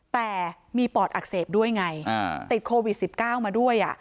แต่มีปอดอักเสบด้วยไงติดโควิด๑๙มาด้วย